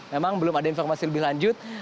memang belum ada informasi lebih lanjut